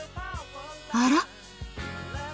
あら？